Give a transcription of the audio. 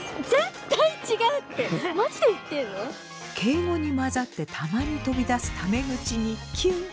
敬語に交ざってたまに飛び出すタメ口にキュン！